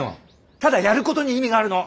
ただやることに意味があるの！